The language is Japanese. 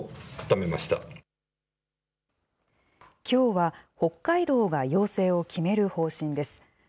きょうは北海道が要請を決める方針です。